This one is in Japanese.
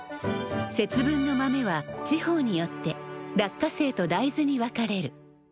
節分の豆は地方によって落花生と大豆に分かれる。